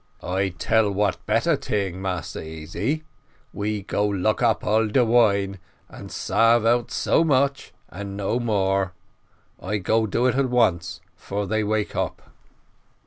"I tell what better ting, Massa Easy; we go lock up all de wine, and sarve out so much, and no more. I go do it at once, 'fore they wake up."